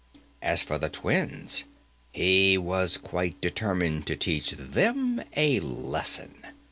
As for the twins, he was quite determined to teach them a lesson.